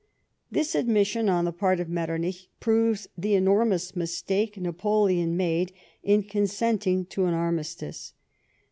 * This admission on the part of Metternich proves the enormous mistake Napoleon made in consenting to an armistice.